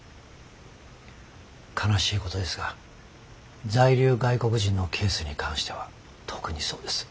悲しいことですが在留外国人のケースに関しては特にそうです。